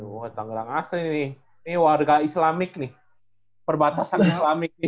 wah sanggerang asli nih ini warga islamik nih perbatasan islamik nih